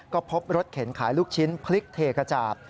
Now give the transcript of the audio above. ก็พบรถเข็นขายลูกชิ้นพลิกเทกระจาด